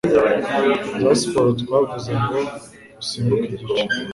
za siporo twavuze ngo usimbuke igice